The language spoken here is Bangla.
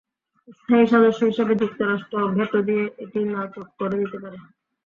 স্থায়ী সদস্য হিসেবে যুক্তরাষ্ট্র ভেটো দিয়ে এটি নাকচ করে দিতে পারে।